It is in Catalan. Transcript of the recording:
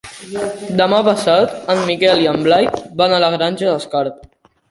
Demà passat en Miquel i en Blai van a la Granja d'Escarp.